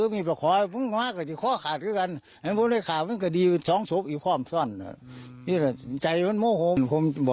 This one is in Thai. ไม่เข้าข้างเลยนะครับ